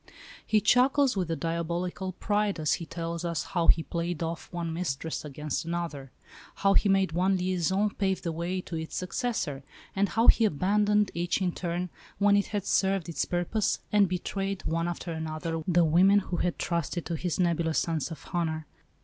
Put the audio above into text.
He chuckles with a diabolical pride as he tells us how he played off one mistress against another; how he made one liaison pave the way to its successor; and how he abandoned each in turn when it had served its purpose, and betrayed, one after another, the women who had trusted to his nebulous sense of honour.